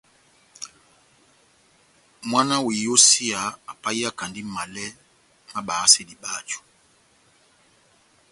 Mwána wa iyósiya apahiyakandi malɛ má bayasedi báju.